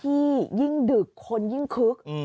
ยิ่งดึกคนยิ่งคึก